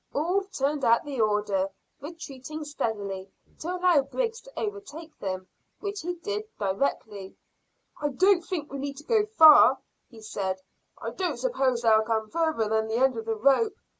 All turned at the order, retreating steadily to allow Griggs to overtake them, which he did directly. "I don't think we need go far," he said. "I don't suppose they'll come further than the end of the rope.